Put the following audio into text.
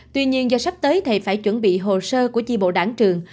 tuy nhiên do sắp tới thầy phải chuẩn bị hồ sơ của chi bộ đảng trường